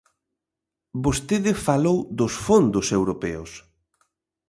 Vostede falou dos fondos europeos.